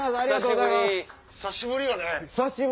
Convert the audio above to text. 久しぶりやね。